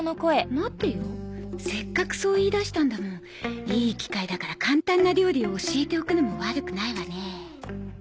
待てよせっかくそう言い出したんだもんいい機会だから簡単な料理を教えておくのも悪くないわね